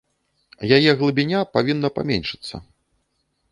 Яе глыбіня павінна паменшыцца.